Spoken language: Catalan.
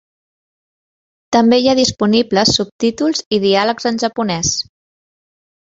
També hi ha disponibles subtítols i diàlegs en japonès.